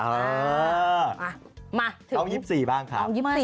เอ้า๒๔บ้างค่ะ